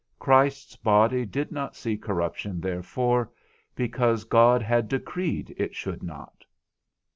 Christ's body did not see corruption, therefore, because God had decreed it should not.